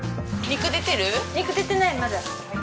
肉出てないまだ。